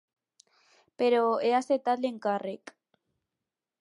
Però he acceptat l’encàrrec.